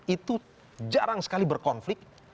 itu jarang sekali berkonflik